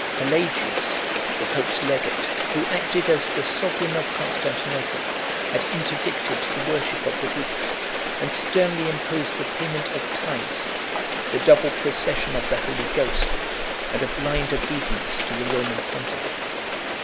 Pelagius, the pope's legate, who acted as the sovereign of Constantinople, had interdicted the worship of the Greeks, and sternly imposed the payment of tithes, the double procession of the Holy Ghost, and a blind obedience to the Roman pontiff.